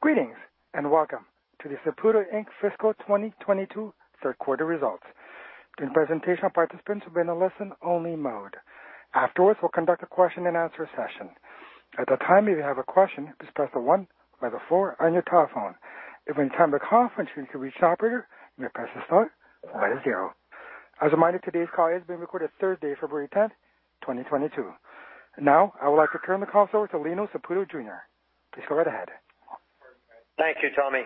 Greetings and welcome to the Saputo Inc. fiscal 2022 third quarter results. During the presentation, participants will be in a listen-only mode. Afterwards, we'll conduct a question-and-answer session. At that time, if you have a question, just press star one on your telephone. If you're in teleconference, you can reach an operator. You may press star zero. As a reminder, today's call is being recorded, Thursday, February 10, 2022. Now, I would like to turn the call over to Lino Saputo Jr. Please go right ahead. Thank you, Tommy.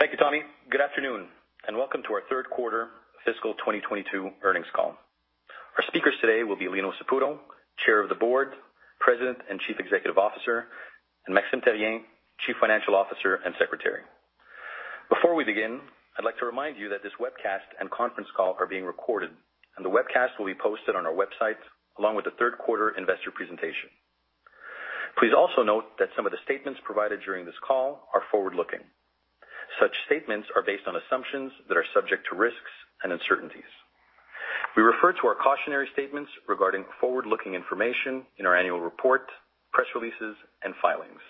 Thank you, Tommy. Good afternoon, and welcome to our third quarter fiscal 2022 earnings call. Our speakers today will be Lino Saputo, Chair of the Board, President and Chief Executive Officer, and Maxime Therrien, Chief Financial Officer and Secretary. Before we begin, I'd like to remind you that this webcast and conference call are being recorded, and the webcast will be posted on our website, along with the third quarter investor presentation. Please also note that some of the statements provided during this call are forward-looking. Such statements are based on assumptions that are subject to risks and uncertainties. We refer to our cautionary statements regarding forward-looking information in our annual report, press releases, and filings.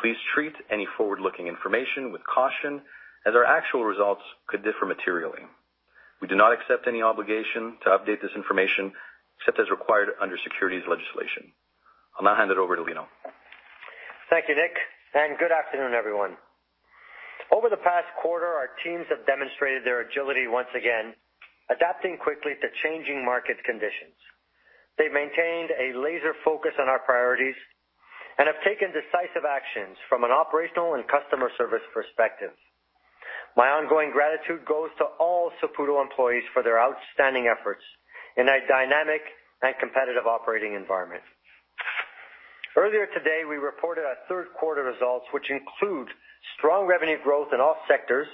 Please treat any forward-looking information with caution as our actual results could differ materially. We do not accept any obligation to update this information, except as required under securities legislation. I'll now hand it over to Lino. Thank you, Nick, and good afternoon, everyone. Over the past quarter, our teams have demonstrated their agility once again, adapting quickly to changing market conditions. They've maintained a laser focus on our priorities and have taken decisive actions from an operational and customer service perspective. My ongoing gratitude goes to all Saputo employees for their outstanding efforts in a dynamic and competitive operating environment. Earlier today, we reported our third quarter results, which include strong revenue growth in all sectors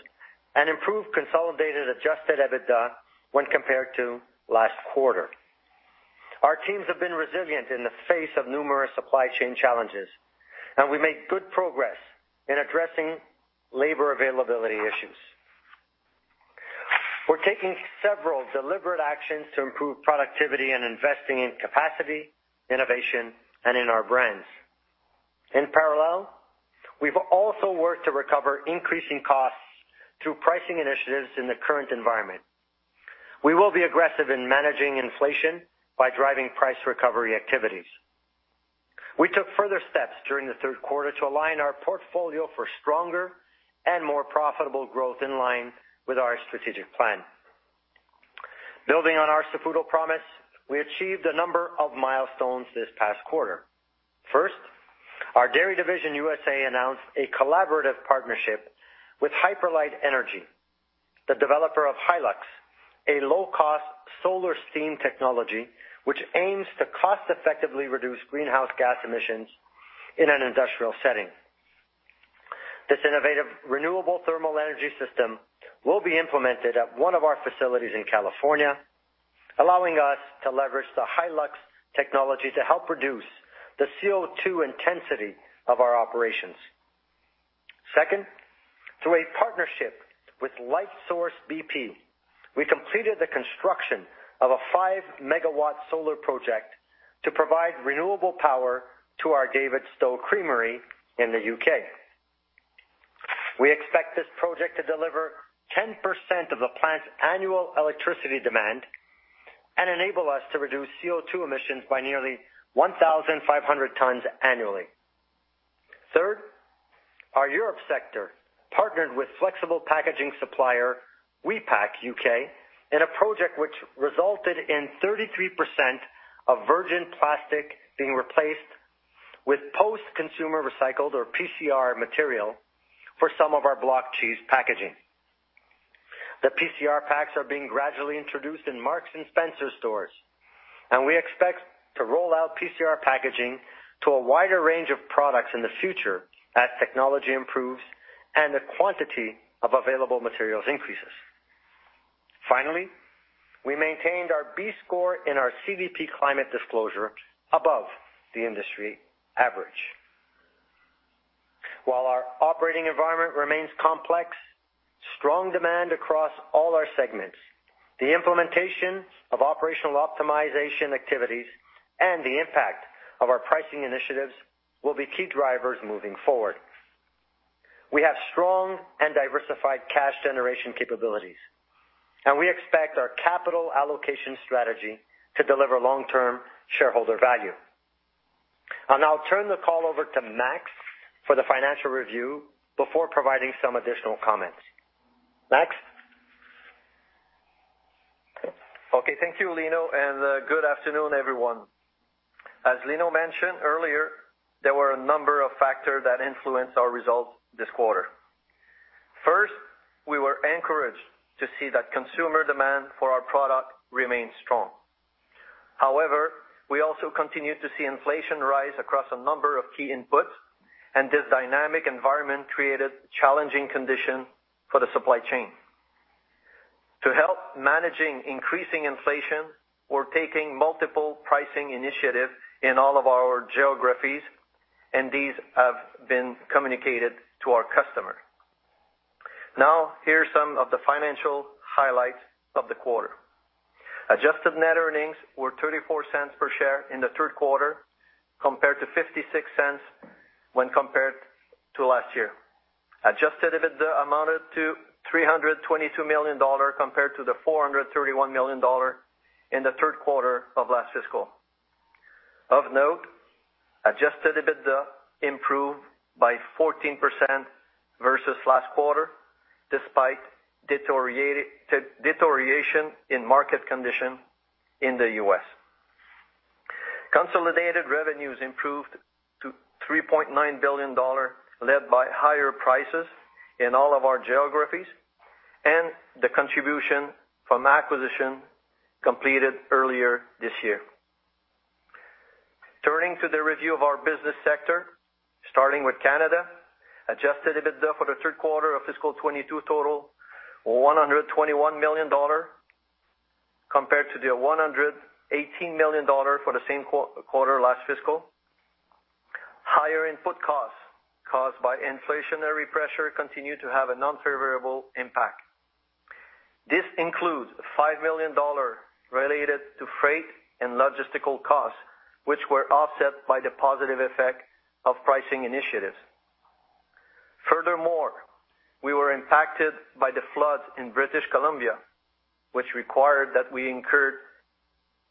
and improved consolidated adjusted EBITDA when compared to last quarter. Our teams have been resilient in the face of numerous supply chain challenges, and we made good progress in addressing labor availability issues. We're taking several deliberate actions to improve productivity and investing in capacity, innovation, and in our brands. In parallel, we've also worked to recover increasing costs through pricing initiatives in the current environment. We will be aggressive in managing inflation by driving price recovery activities. We took further steps during the third quarter to align our portfolio for stronger and more profitable growth in line with our strategic plan. Building on our Saputo promise, we achieved a number of milestones this past quarter. First, our Dairy Division USA announced a collaborative partnership with Hyperlight Energy, the developer of Hylux, a low-cost solar steam technology, which aims to cost-effectively reduce greenhouse gas emissions in an industrial setting. This innovative, renewable thermal energy system will be implemented at one of our facilities in California, allowing us to leverage the Hylux technology to help reduce the CO2 intensity of our operations. Second, through a partnership with Lightsource bp, we completed the construction of a 5 MW solar project to provide renewable power to our Davidstow Creamery in the U.K. We expect this project to deliver 10% of the plant's annual electricity demand and enable us to reduce CO2 emissions by nearly 1,500 tons annually. Third, our Europe Sector partnered with flexible packaging supplier, Wipak UK, in a project which resulted in 33% of virgin plastic being replaced with post-consumer recycled or PCR material for some of our block cheese packaging. The PCR packs are being gradually introduced in Marks & Spencer stores, and we expect to roll out PCR packaging to a wider range of products in the future as technology improves and the quantity of available materials increases. Finally, we maintained our B score in our CDP climate disclosure above the industry average. While our operating environment remains complex, strong demand across all our segments, the implementation of operational optimization activities, and the impact of our pricing initiatives will be key drivers moving forward. We have strong and diversified cash generation capabilities, and we expect our capital allocation strategy to deliver long-term shareholder value. I'll now turn the call over to Max for the financial review before providing some additional comments. Max? Okay, thank you, Lino, and good afternoon, everyone. As Lino mentioned earlier, there were a number of factors that influenced our results this quarter. First, we were encouraged to see that consumer demand for our product remains strong. However, we also continued to see inflation rise across a number of key inputs, and this dynamic environment created challenging conditions for the supply chain. To help manage increasing inflation, we're taking multiple pricing initiatives in all of our geographies, and these have been communicated to our customers. Now here are some of the financial highlights of the quarter. Adjusted net earnings were 0.34 per share in the third quarter compared to 0.56 when compared to last year. Adjusted EBITDA amounted to CAD 322 million compared to CAD 431 million in the third quarter of last fiscal. Of note, adjusted EBITDA improved by 14% versus last quarter, despite deterioration in market condition in the U.S. Consolidated revenues improved to 3.9 billion dollar, led by higher prices in all of our geographies and the contribution from acquisition completed earlier this year. Turning to the review of our business sector, starting with Canada, adjusted EBITDA for the third quarter of fiscal 2022 total 121 million dollar compared to 118 million dollar for the same quarter last fiscal. Higher input costs caused by inflationary pressure continued to have an unfavorable impact. This includes 5 million dollar related to freight and logistical costs, which were offset by the positive effect of pricing initiatives. Furthermore, we were impacted by the floods in British Columbia, which required that we incur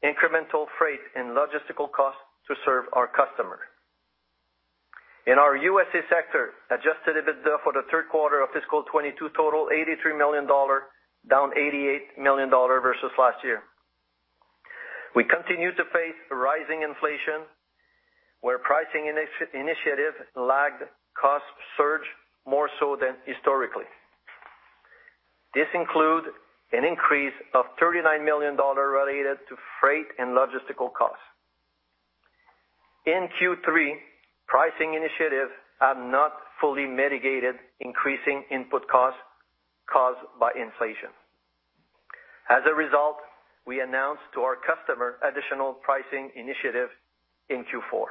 incremental freight and logistical costs to serve our customers. In our USA sector, adjusted EBITDA for the third quarter of fiscal 2022 totaled 83 million dollar, down 88 million dollar versus last year. We continue to face rising inflation, where pricing initiative lagged cost surge more so than historically. This includes an increase of 39 million dollars related to freight and logistical costs. In Q3, pricing initiatives have not fully mitigated increasing input costs caused by inflation. As a result, we announced to our customer additional pricing initiative in Q4.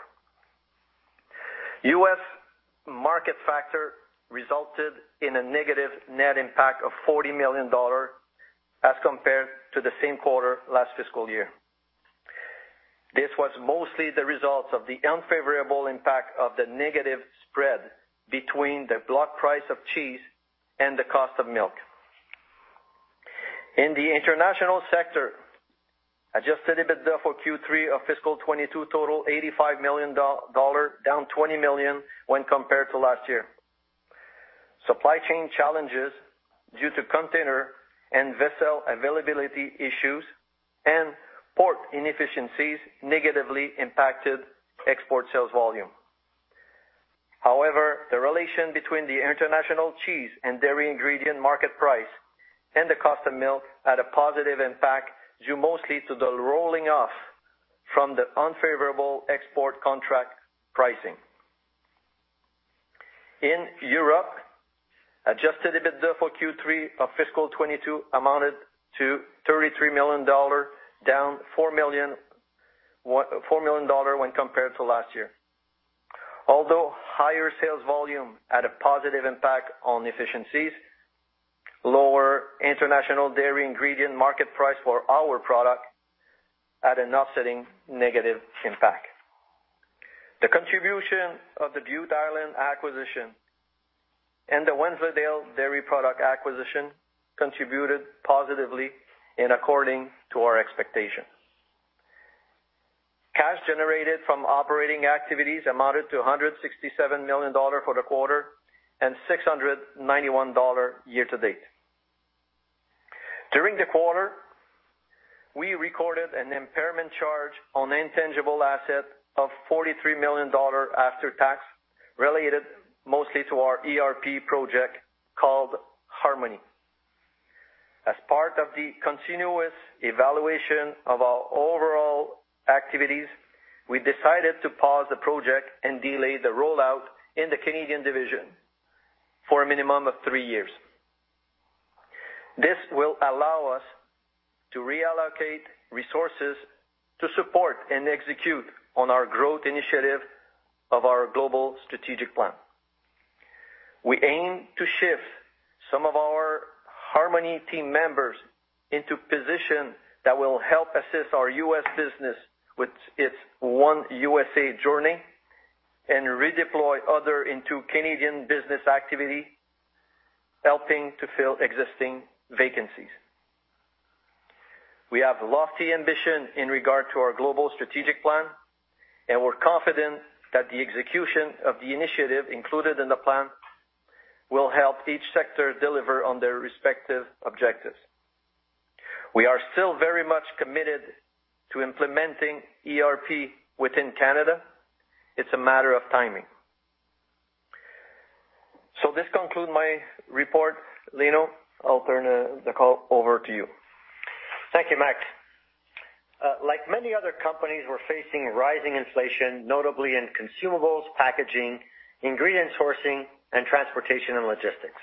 U.S. market factor resulted in a negative net impact of 40 million dollars as compared to the same quarter last fiscal year. This was mostly the result of the unfavorable impact of the negative spread between the block price of cheese and the cost of milk. In the international sector, adjusted EBITDA for Q3 of fiscal 2022 totaled CAD 85 million, down CAD 20 million when compared to last year. Supply chain challenges due to container and vessel availability issues and port inefficiencies negatively impacted export sales volume. However, the relation between the international cheese and dairy ingredient market price and the cost of milk had a positive impact, due mostly to the rolling off from the unfavorable export contract pricing. In Europe, adjusted EBITDA for Q3 of fiscal 2022 amounted to 33 million dollar, down 4 million when compared to last year. Although higher sales volume had a positive impact on efficiencies, lower international dairy ingredient market price for our product had an offsetting negative impact. The contribution of the Bute Island acquisition and the Wensleydale Dairy Products acquisition contributed positively in accordance with our expectations. Cash generated from operating activities amounted to 167 million dollar for the quarter and 691 million dollar year to date. During the quarter, we recorded an impairment charge on intangible assets of 43 million dollar after tax, related mostly to our ERP project called Harmony. As part of the continuous evaluation of our overall activities, we decided to pause the project and delay the rollout in the Canadian division for a minimum of three years. This will allow us to reallocate resources to support and execute on our growth initiative of our global strategic plan. We aim to shift some of our Harmony team members into position that will help assist our U.S. business with its One USA journey and redeploy other into Canadian business activity, helping to fill existing vacancies. We have lofty ambition in regard to our global strategic plan, and we're confident that the execution of the initiative included in the plan will help each sector deliver on their respective objectives. We are still very much committed to implementing ERP within Canada. It's a matter of timing. This concludes my report. Lino, I'll turn the call over to you. Thank you, Max. Like many other companies, we're facing rising inflation, notably in consumables, packaging, ingredient sourcing, and transportation and logistics.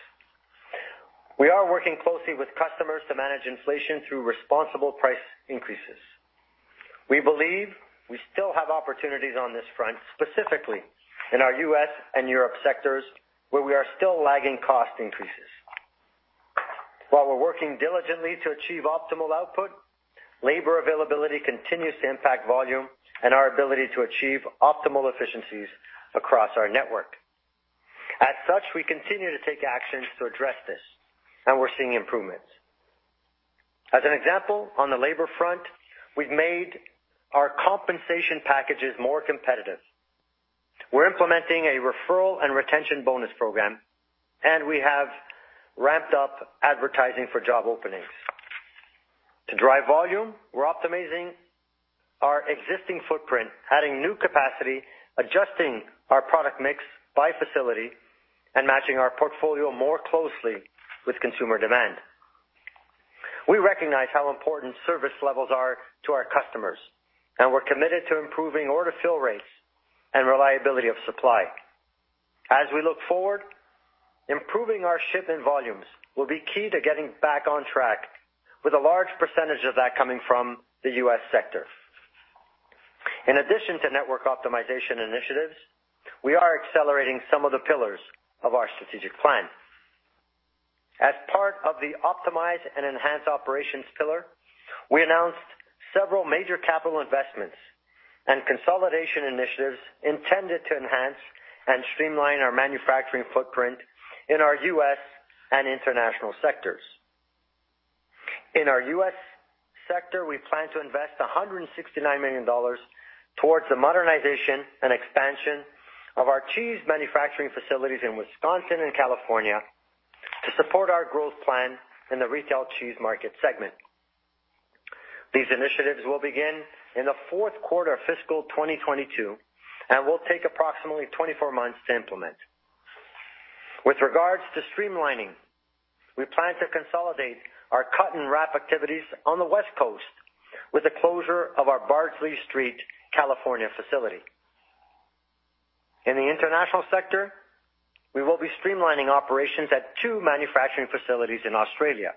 We are working closely with customers to manage inflation through responsible price increases. We believe we still have opportunities on this front, specifically in our U.S. and Europe sectors where we are still lagging cost increases. While we're working diligently to achieve optimal output, labor availability continues to impact volume and our ability to achieve optimal efficiencies across our network. As such, we continue to take actions to address this, and we're seeing improvements. As an example, on the labor front, we've made our compensation packages more competitive. We're implementing a referral and retention bonus program, and we have ramped up advertising for job openings. To drive volume, we're optimizing our existing footprint, adding new capacity, adjusting our product mix by facility, and matching our portfolio more closely with consumer demand. We recognize how important service levels are to our customers, and we're committed to improving order fill rates and reliability of supply. As we look forward, improving our shipment volumes will be key to getting back on track with a large percentage of that coming from the U.S. sector. In addition to network optimization initiatives, we are accelerating some of the pillars of our strategic plan. As part of the optimize and enhance operations pillar, we announced several major capital investments and consolidation initiatives intended to enhance and streamline our manufacturing footprint in our U.S. and international sectors. In our U.S. sector, we plan to invest 169 million dollars towards the modernization and expansion of our cheese manufacturing facilities in Wisconsin and California to support our growth plan in the retail cheese market segment. These initiatives will begin in the fourth quarter of fiscal 2022 and will take approximately 24 months to implement. With regards to streamlining, we plan to consolidate our cut and wrap activities on the West Coast with the closure of our Bardsley Street, California facility. In the international sector, we will be streamlining operations at two manufacturing facilities in Australia.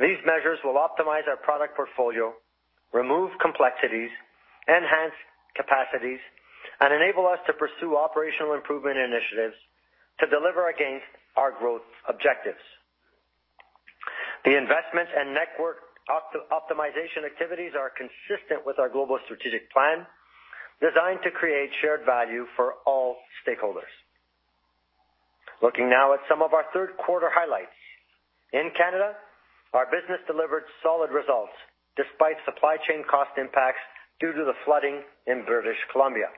These measures will optimize our product portfolio, remove complexities, enhance capacities, and enable us to pursue operational improvement initiatives to deliver against our growth objectives. The investment and network optimization activities are consistent with our global strategic plan designed to create shared value for all stakeholders. Looking now at some of our third quarter highlights. In Canada, our business delivered solid results despite supply chain cost impacts due to the flooding in British Columbia.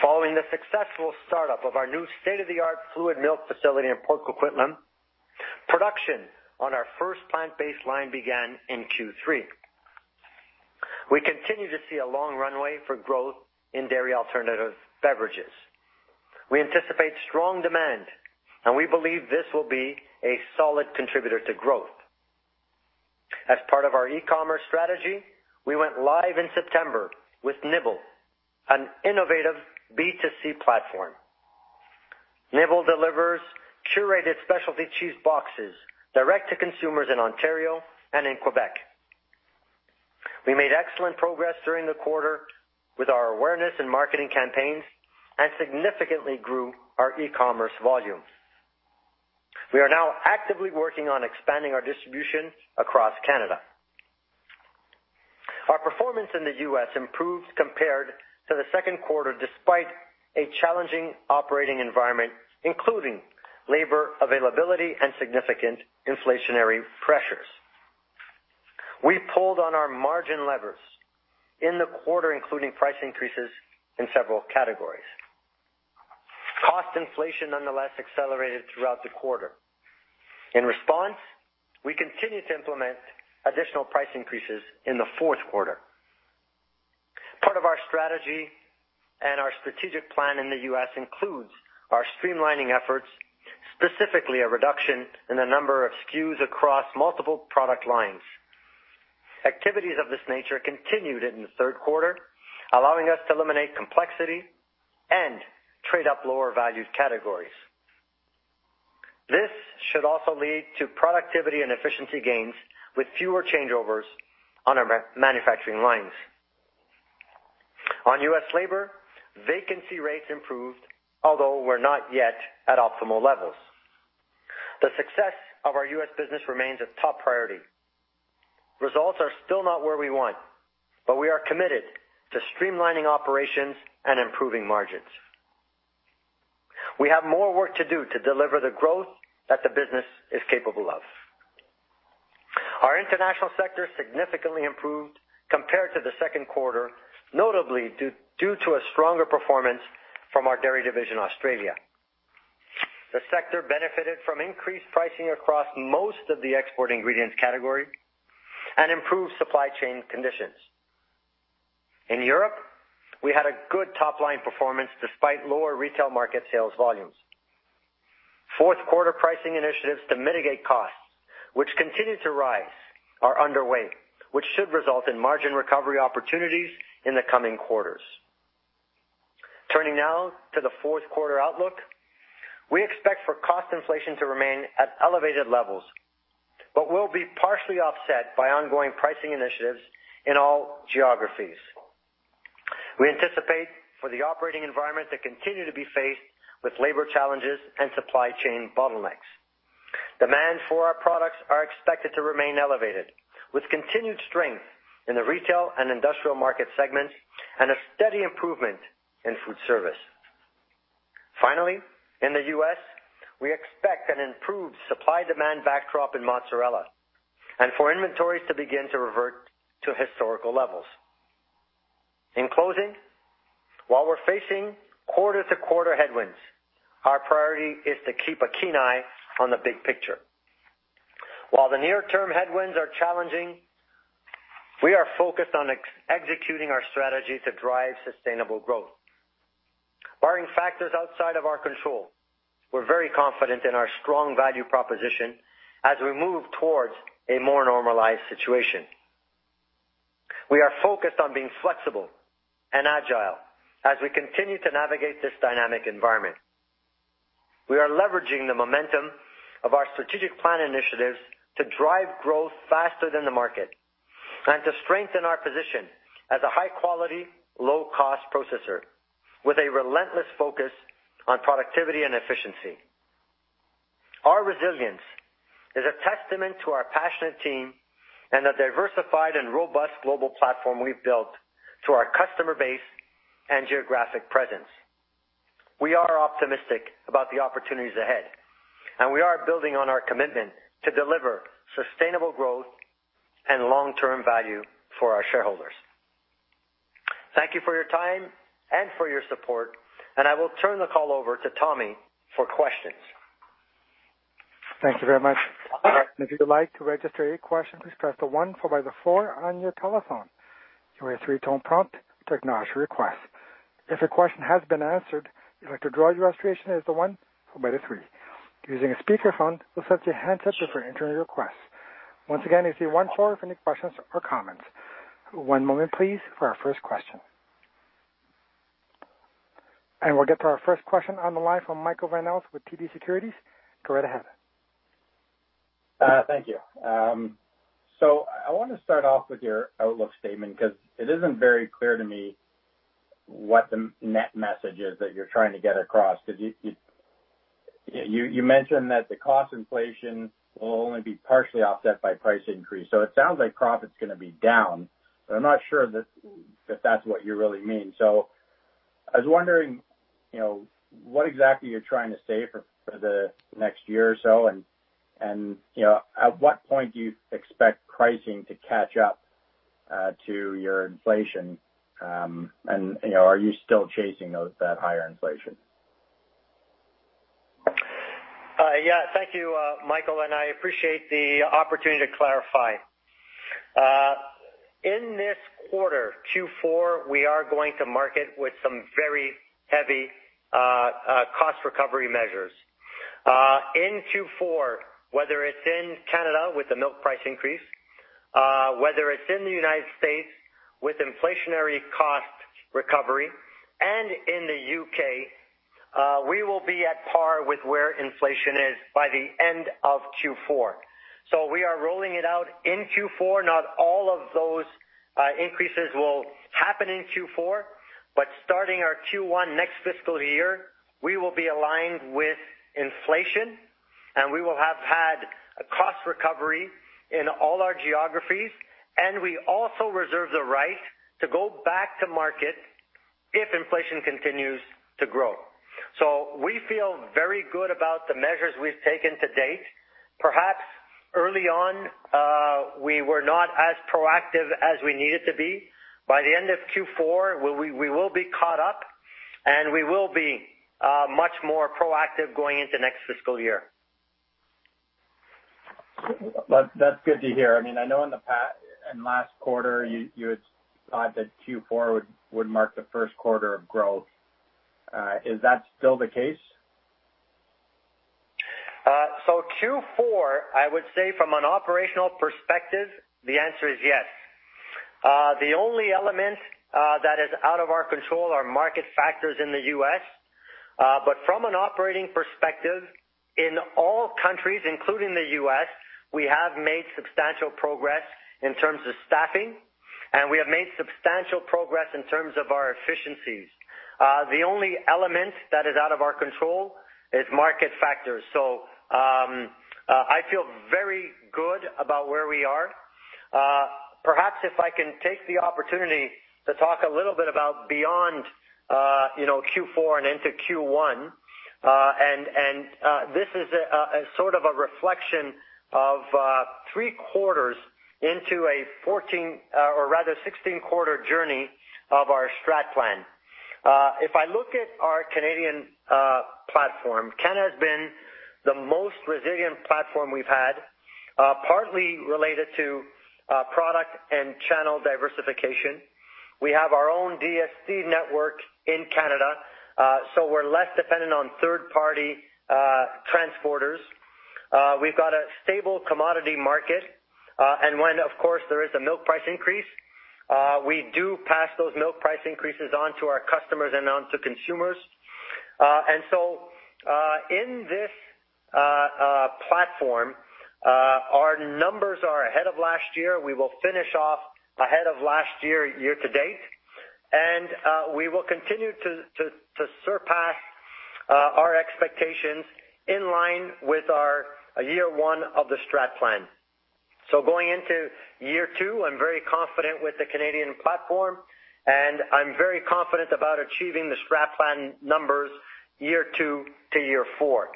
Following the successful startup of our new state-of-the-art fluid milk facility in Port Coquitlam, production on our first plant baseline began in Q3. We continue to see a long runway for growth in dairy alternative beverages. We anticipate strong demand, and we believe this will be a solid contributor to growth. As part of our e-commerce strategy, we went live in September with Nibble, an innovative B2C platform. Nibble delivers curated specialty cheese boxes direct to consumers in Ontario and in Quebec. We made excellent progress during the quarter with our awareness and marketing campaigns and significantly grew our e-commerce volume. We are now actively working on expanding our distribution across Canada. Our performance in the U.S. improved compared to the second quarter despite a challenging operating environment, including labor availability and significant inflationary pressures. We pulled on our margin levers in the quarter, including price increases in several categories. Cost inflation nonetheless accelerated throughout the quarter. In response, we continue to implement additional price increases in the fourth quarter. Part of our strategy and our strategic plan in the U.S. includes our streamlining efforts, specifically a reduction in the number of SKUs across multiple product lines. Activities of this nature continued in the third quarter, allowing us to eliminate complexity and trade up lower valued categories. This should also lead to productivity and efficiency gains with fewer changeovers on our manufacturing lines. On U.S. labor, vacancy rates improved, although we're not yet at optimal levels. The success of our U.S. business remains a top priority. Results are still not where we want, but we are committed to streamlining operations and improving margins. We have more work to do to deliver the growth that the business is capable of. Our international sector significantly improved compared to the second quarter, notably due to a stronger performance from our Dairy Division (Australia). The sector benefited from increased pricing across most of the export ingredients category and improved supply chain conditions. In Europe, we had a good top-line performance despite lower retail market sales volumes. Fourth quarter pricing initiatives to mitigate costs which continue to rise are underway, which should result in margin recovery opportunities in the coming quarters. Turning now to the fourth quarter outlook. We expect for cost inflation to remain at elevated levels, but will be partially offset by ongoing pricing initiatives in all geographies. We anticipate for the operating environment to continue to be faced with labor challenges and supply chain bottlenecks. Demand for our products are expected to remain elevated, with continued strength in the retail and industrial market segments and a steady improvement in food service. Finally, in the U.S., we expect an improved supply-demand backdrop in mozzarella and for inventories to begin to revert to historical levels. In closing, while we're facing quarter-to-quarter headwinds, our priority is to keep a keen eye on the big picture. While the near-term headwinds are challenging, we are focused on executing our strategy to drive sustainable growth. Barring factors outside of our control, we're very confident in our strong value proposition as we move towards a more normalized situation. We are focused on being flexible and agile as we continue to navigate this dynamic environment. We are leveraging the momentum of our strategic plan initiatives to drive growth faster than the market and to strengthen our position as a high quality, low-cost processor with a relentless focus on productivity and efficiency. Our resilience is a testament to our passionate team and the diversified and robust global platform we've built through our customer base and geographic presence. We are optimistic about the opportunities ahead, and we are building on our commitment to deliver sustainable growth and long-term value for our shareholders. Thank you for your time and for your support, and I will turn the call over to Tommy for questions. Thank you very much. If you'd like to register your questions, press star one followed by four on your telephone. If your question has been answered. One moment please for our first question. We'll get to our first question on the line from Michael Van Aelst with TD Securities. Go right ahead. Thank you. I want to start off with your outlook statement because it isn't very clear to me what the net message is that you're trying to get across. Because you mentioned that the cost inflation will only be partially offset by price increase. It sounds like profit is gonna be down, but I'm not sure that that's what you really mean. I was wondering, what exactly you're trying to say for the next year or so, and at what point do you expect pricing to catch up to your inflation. Are you still chasing that higher inflation? Yeah, thank you, Michael, and I appreciate the opportunity to clarify. In this quarter, Q4, we are going to market with some very heavy cost recovery measures. In Q4, whether it's in Canada with the milk price increase, whether it's in the United States with inflationary cost recovery and in the U.K., we will be at par with where inflation is by the end of Q4. We are rolling it out in Q4. Not all of those increases will happen in Q4, but starting our Q1 next fiscal year, we will be aligned with inflation, and we will have had a cost recovery in all our geographies, and we also reserve the right to go back to market if inflation continues to grow. We feel very good about the measures we've taken to date. Perhaps early on, we were not as proactive as we needed to be. By the end of Q4, we will be caught up and we will be much more proactive going into next fiscal year. That's good to hear. I mean, I know in the past, in last quarter, you had thought that Q4 would mark the first quarter of growth. Is that still the case? Q4, I would say from an operational perspective, the answer is yes. The only element that is out of our control are market factors in the U.S. From an operating perspective, in all countries, including the U.S., we have made substantial progress in terms of staffing, and we have made substantial progress in terms of our efficiencies. The only element that is out of our control is market factors. I feel very good about where we are. Perhaps if I can take the opportunity to talk a little bit about beyond Q4 and into Q1. This is a sort of a reflection of three quarters into a 14, or rather 16 quarter journey of our strat plan. If I look at our Canadian platform, Canada has been the most resilient platform we've had, partly related to product and channel diversification. We have our own DSD network in Canada, so we're less dependent on third-party transporters. We've got a stable commodity market, and when, of course, there is a milk price increase, we do pass those milk price increases on to our customers and on to consumers. In this platform, our numbers are ahead of last year. We will finish off ahead of last year-to-date, and we will continue to surpass our expectations in line with our year one of the strat plan. Going into year two, I'm very confident with the Canadian platform, and I'm very confident about achieving the strat plan numbers year two to year four.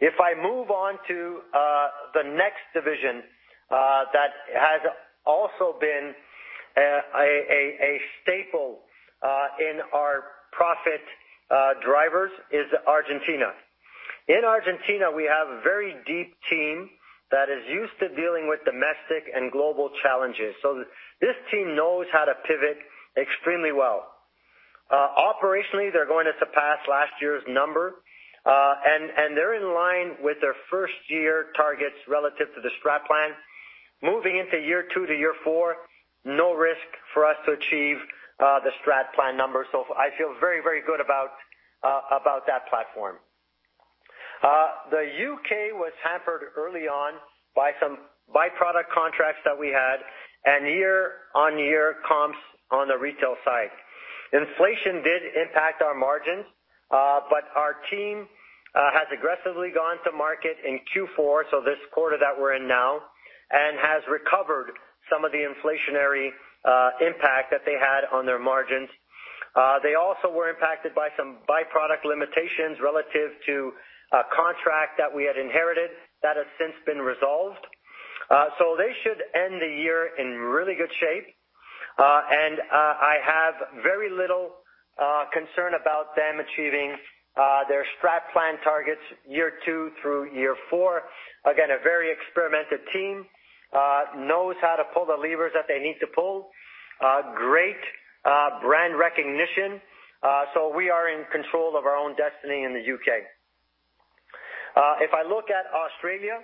If I move on to the next division that has also been a staple in our profit drivers is Argentina. In Argentina, we have a very deep team that is used to dealing with domestic and global challenges. This team knows how to pivot extremely well. Operationally, they're going to surpass last year's number, and they're in line with their first-year targets relative to the strat plan. Moving into year two to year four, no risk for us to achieve the strat plan numbers. I feel very good about that platform. The U.K. was hampered early on by some by-product contracts that we had and year-on-year comps on the retail side. Inflation did impact our margins, our team has aggressively gone to market in Q4, so this quarter that we're in now, and has recovered some of the inflationary impact that they had on their margins. They also were impacted by some by-product limitations relative to a contract that we had inherited that has since been resolved. They should end the year in really good shape. I have very little concern about them achieving their strategic plan targets year two through year four. Again, a very experienced team knows how to pull the levers that they need to pull. Great brand recognition. We are in control of our own destiny in the U.K. If I look at Australia,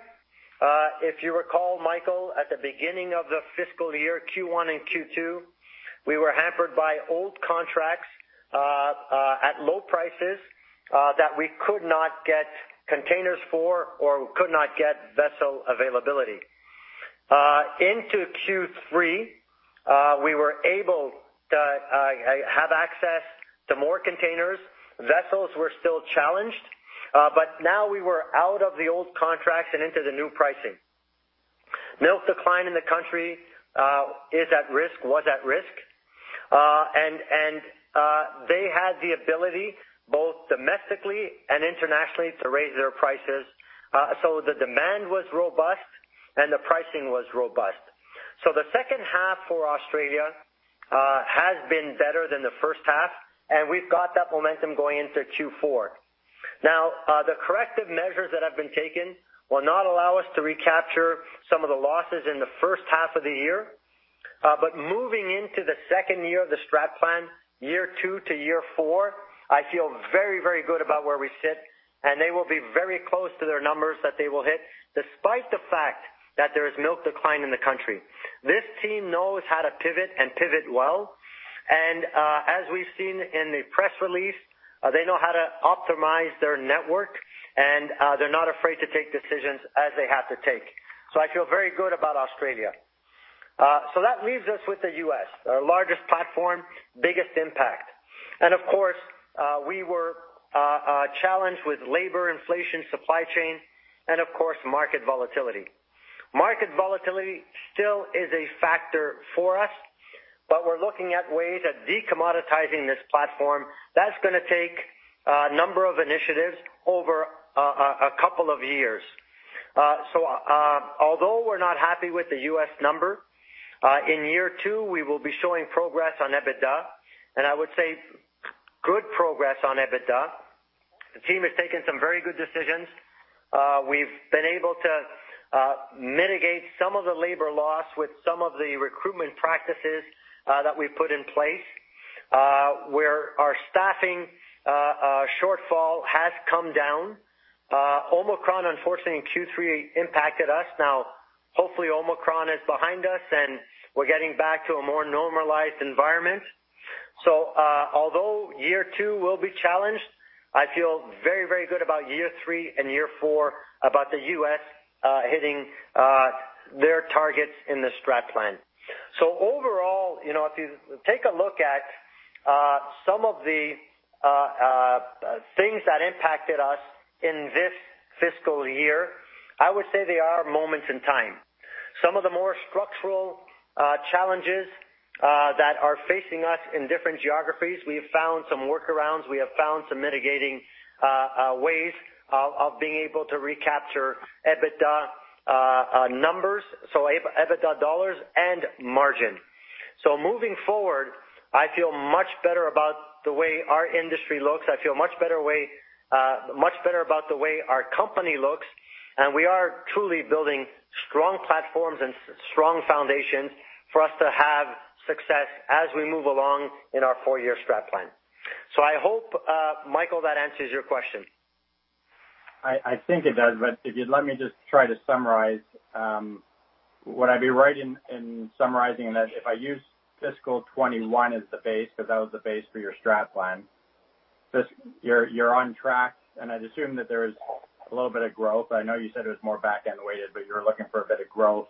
if you recall, Michael, at the beginning of the fiscal year, Q1 and Q2, we were hampered by old contracts at low prices that we could not get containers for or could not get vessel availability. Into Q3, we were able to have access to more containers. Vessels were still challenged, but now we were out of the old contracts and into the new pricing. Milk decline in the country is at risk, was at risk, and they had the ability, both domestically and internationally, to raise their prices. The demand was robust and the pricing was robust. The second half for Australia has been better than the first half, and we've got that momentum going into Q4. Now, the corrective measures that have been taken will not allow us to recapture some of the losses in the first half of the year. Moving into the second year of the strat plan, year two to year four, I feel very, very good about where we sit, and they will be very close to their numbers that they will hit, despite the fact that there is milk decline in the country. This team knows how to pivot and pivot well. As we've seen in the press release, they know how to optimize their network, and they're not afraid to take decisions as they have to take. I feel very good about Australia. That leaves us with the U.S., our largest platform, biggest impact. Of course, we were challenged with labor inflation, supply chain and of course, market volatility. Market volatility still is a factor for us, but we're looking at ways to de-commoditizing this platform. That's gonna take a number of initiatives over a couple of years. Although we're not happy with the U.S. number, in year two, we will be showing progress on EBITDA, and I would say good progress on EBITDA. The team has taken some very good decisions. We've been able to mitigate some of the labor loss with some of the recruitment practices that we've put in place, where our staffing shortfall has come down. Omicron, unfortunately in Q3, impacted us. Now, hopefully Omicron is behind us, and we're getting back to a more normalized environment. Although year two will be challenged, I feel very, very good about year three and year four about the U.S. hitting their targets in the strat plan. Overall, if you take a look at some of the things that impacted us in this fiscal year, I would say they are moments in time. Some of the more structural challenges that are facing us in different geographies, we have found some workarounds. We have found some mitigating ways of being able to recapture EBITDA numbers, so EBITDA dollars and margin. Moving forward, I feel much better about the way our industry looks. I feel much better about the way our company looks, and we are truly building strong platforms and strong foundations for us to have success as we move along in our four-year strat plan. I hope, Michael, that answers your question. I think it does, but if you'd let me just try to summarize. Would I be right in summarizing that if I use fiscal 2021 as the base because that was the base for your strategic plan, so you're on track, and I'd assume that there is a little bit of growth. I know you said it was more back-end weighted, but you're looking for a bit of growth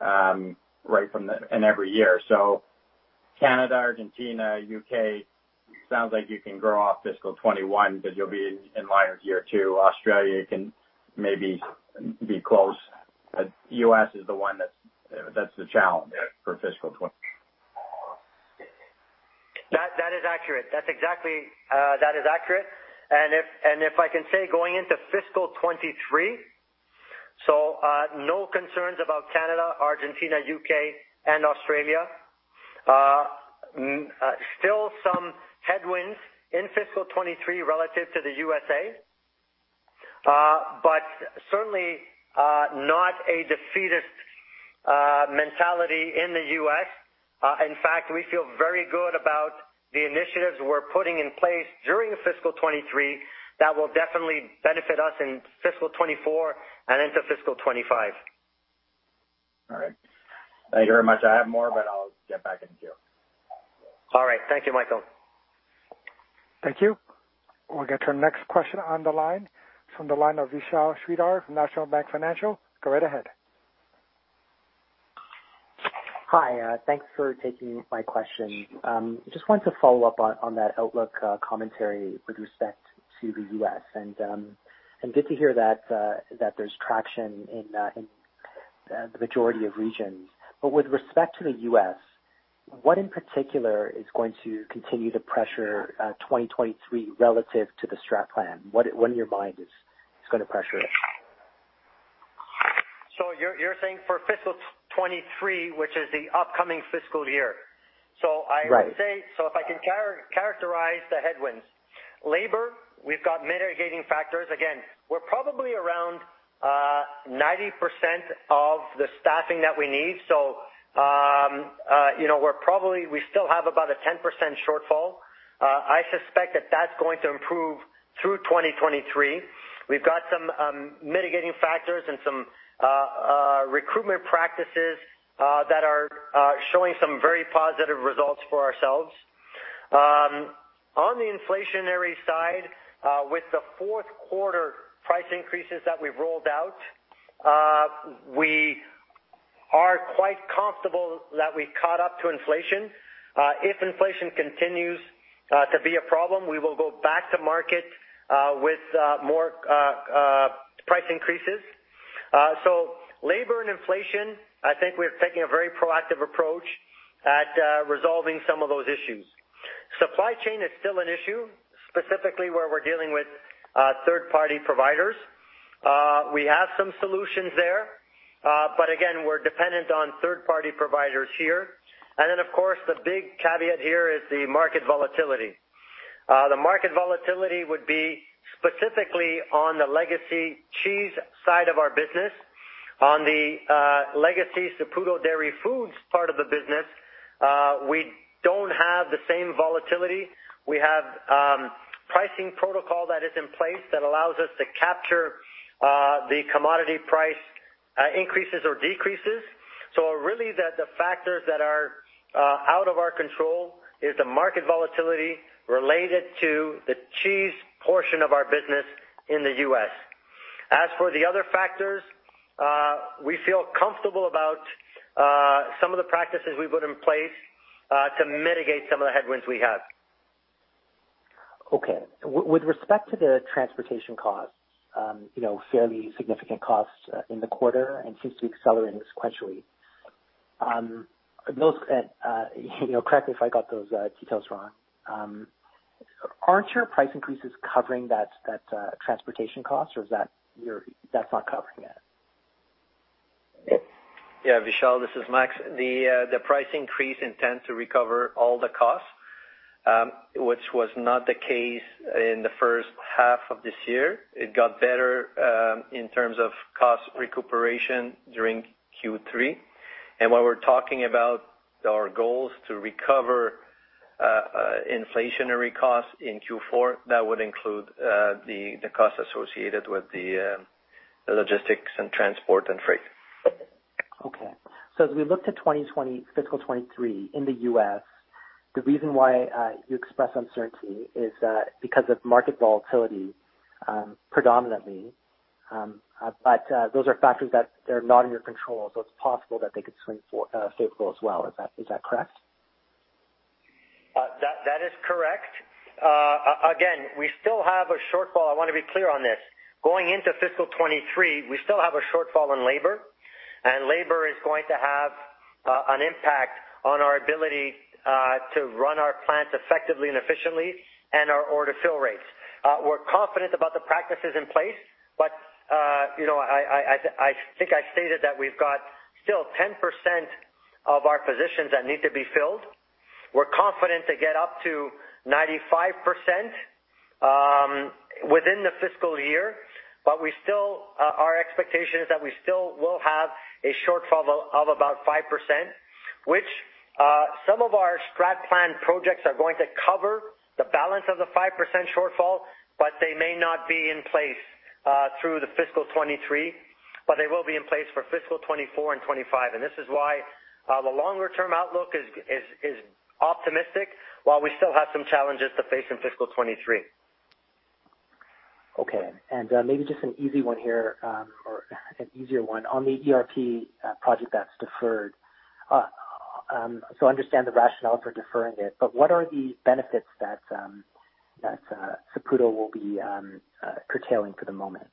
right from in every year. Canada, Argentina, U.K., sounds like you can grow off fiscal 2021 because you'll be in line with year two. Australia can maybe be close, but U.S. is the one that's the challenge for fiscal 2021. That is accurate. That's exactly accurate. If I can say going into fiscal 2023, so no concerns about Canada, Argentina, U.K., and Australia. Still some headwinds in fiscal 2023 relative to the U.S., but certainly not a defeatist mentality in the U.S. In fact, we feel very good about the initiatives we're putting in place during fiscal 2023 that will definitely benefit us in fiscal 2024 and into fiscal 2025. All right. Thank you very much. I have more, but I'll get back in queue. All right. Thank you, Michael. Thank you. We'll get your next question on the line. From the line of Vishal Shreedhar from National Bank Financial. Go right ahead. Hi. Thanks for taking my question. Just wanted to follow up on that outlook commentary with respect to the U.S. and good to hear that there's traction in the majority of regions. With respect to the U.S., what in particular is going to continue to pressure 2023 relative to the strategic plan? What in your mind is going to pressure it? You're saying for fiscal 2023, which is the upcoming fiscal year. Right. I would say, if I can characterize the headwinds. Labor, we've got mitigating factors. Again, we're probably around 90% of the staffing that we need. We still have about a 10% shortfall. I suspect that that's going to improve through 2023. We've got some mitigating factors and some recruitment practices that are showing some very positive results for ourselves. On the inflationary side, with the fourth quarter price increases that we've rolled out, we are quite comfortable that we caught up to inflation. If inflation continues to be a problem, we will go back to market with more price increases. Labor and inflation, I think we're taking a very proactive approach at resolving some of those issues. Supply chain is still an issue, specifically where we're dealing with third-party providers. We have some solutions there, but again, we're dependent on third-party providers here. Of course, the big caveat here is the market volatility. The market volatility would be specifically on the legacy cheese side of our business. On the legacy Saputo Dairy Foods part of the business, we don't have the same volatility. We have pricing protocol that is in place that allows us to capture the commodity price increases or decreases. Really, the factors that are out of our control is the market volatility related to the cheese portion of our business in the U.S. As for the other factors, we feel comfortable about some of the practices we put in place to mitigate some of the headwinds we have. Okay. With respect to the transportation costs, fairly significant costs in the quarter and seems to be accelerating sequentially. Correct me if I got those details wrong. Aren't your price increases covering that transportation cost, or is that not covering it? Yeah, Vishal, this is Max. The price increase intends to recover all the costs, which was not the case in the first half of this year. It got better in terms of cost recuperation during Q3. When we're talking about our goals to recover inflationary costs in Q4, that would include the costs associated with the logistics and transport and freight. Okay. As we look to fiscal 2023 in the U.S., the reason why you express uncertainty is because of market volatility, predominantly. Those are factors that they're not in your control, so it's possible that they could swing for favorable as well. Is that correct? That is correct. Again, we still have a shortfall. I wanna be clear on this. Going into fiscal 2023, we still have a shortfall in labor, and labor is going to have an impact on our ability to run our plants effectively and efficiently and our order fill rates. We're confident about the practices in place, but I think I stated that we've got still 10% of our positions that need to be filled. We're confident to get up to 95%. Within the fiscal year, our expectation is that we still will have a shortfall of about 5%, which some of our strat plan projects are going to cover the balance of the 5% shortfall, but they may not be in place through the fiscal 2023, but they will be in place for fiscal 2024 and 2025. This is why the longer-term outlook is optimistic, while we still have some challenges to face in fiscal 2023. Okay. Maybe just an easy one here, or an easier one on the ERP project that's deferred. I understand the rationale for deferring it, but what are the benefits that Saputo will be curtailing for the moment?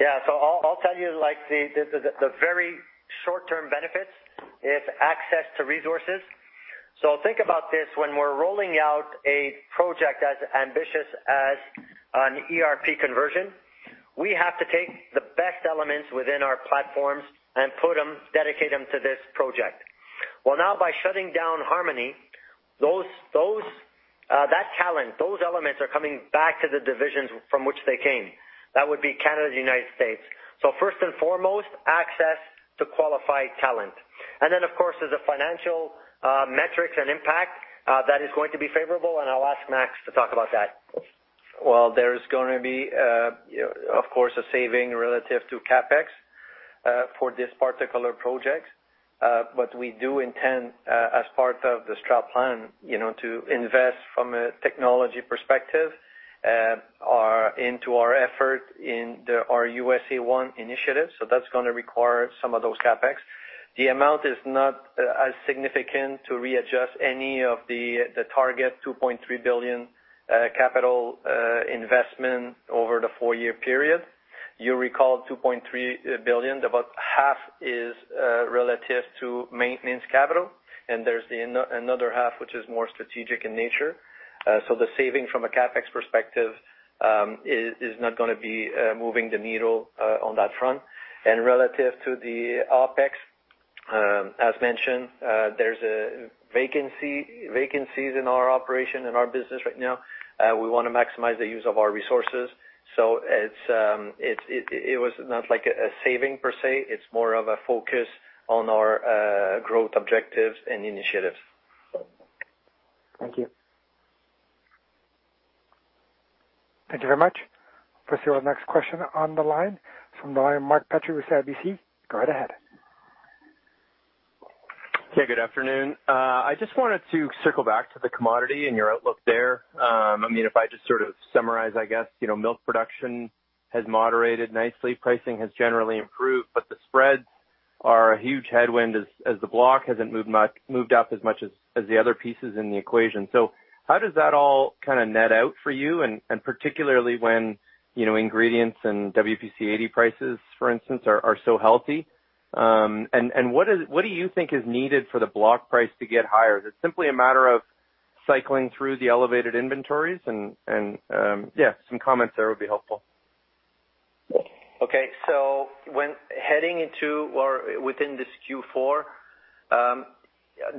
Yeah. I'll tell you like the very short-term benefits is access to resources. Think about this, when we're rolling out a project as ambitious as an ERP conversion, we have to take the best elements within our platforms and put them, dedicate them to this project. Well, now by shutting down Harmony, that talent, those elements are coming back to the divisions from which they came. That would be Canada and United States. First and foremost, access to qualified talent. Then, of course, there's a financial metrics and impact that is going to be favorable, and I'll ask Max to talk about that. Well, there's gonna be of course a saving relative to CapEx for this particular project. But we do intend as part of the strat plan, to invest from a technology perspective into our effort in our USA One initiative, so that's gonna require some of those CapEx. The amount is not as significant to readjust any of the target 2.3 billion capital investment over the four year period. You recall 2.3 billion, about half is relative to maintenance capital, and there's another half which is more strategic in nature. So the saving from a CapEx perspective is not gonna be moving the needle on that front. Relative to the OpEx, as mentioned, there's vacancies in our operation, in our business right now. We wanna maximize the use of our resources. It was not like a saving per se, it's more of a focus on our growth objectives and initiatives. Thank you. Thank you very much. Proceed with next question on the line of Mark Petrie with CIBC Capital Markets. Go right ahead. Okay, good afternoon. I just wanted to circle back to the commodity and your outlook there. I mean, if I just sort of summarize, I guess milk production has moderated nicely, pricing has generally improved, but the spreads are a huge headwind as the block hasn't moved up as much as the other pieces in the equation. How does that all kind of net out for you? Particularly when ingredients and WPC 80 prices, for instance, are so healthy. What do you think is needed for the block price to get higher? Is it simply a matter of cycling through the elevated inventories and yeah, some comments there would be helpful. Okay. When heading into or within this Q4,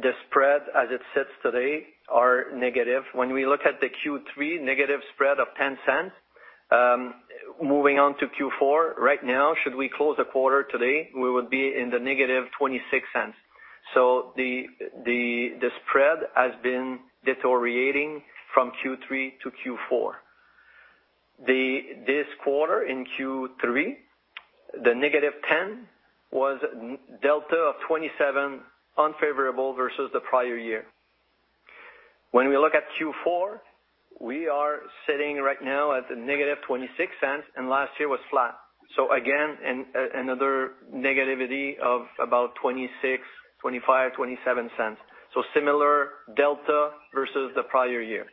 the spread as it sits today are negative. When we look at the Q3 negative spread of 0.10, moving on to Q4, right now, should we close the quarter today, we would be in the negative 0.26. The spread has been deteriorating from Q3 to Q4. This quarter in Q3, the negative 0.10 was delta of 0.27 unfavorable versus the prior year. When we look at Q4, we are sitting right now at the negative 0.26, and last year was flat. Again, another negativity of about 0.26, 0.25, CAD 0.27. Similar delta versus the prior year.